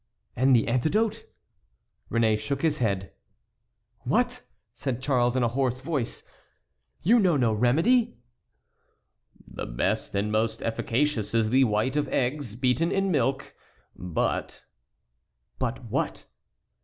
"And the antidote?" Réné shook his head. "What!" said Charles in a hoarse voice, "you know no remedy?" "The best and most efficacious is the white of eggs beaten in milk; but"— "But what?"